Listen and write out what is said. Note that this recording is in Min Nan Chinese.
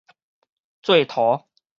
做塗